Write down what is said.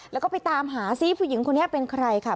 แล้วก็ไปตามหาซิผู้หญิงคนนี้เป็นใครค่ะ